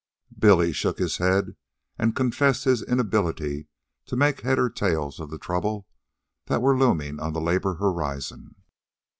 Billy shook his head and confessed his inability to make head or tail of the troubles that were looming on the labor horizon.